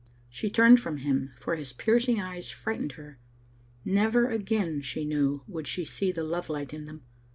She turned from him, for his piercing eyes frightened her. Never again, she knew, would she see the love light in them.